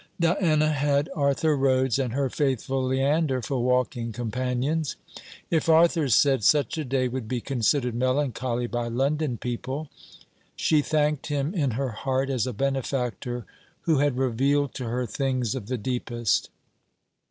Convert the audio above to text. Diana had Arthur Rhodes and her faithful Leander for walking companions. If Arthur said: 'Such a day would be considered melancholy by London people,' she thanked him in her heart, as a benefactor who had revealed to her things of the deepest.